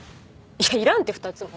いらんって２つも。